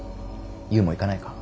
ゆうも行かないか。